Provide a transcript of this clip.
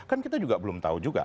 kan kita juga belum tahu juga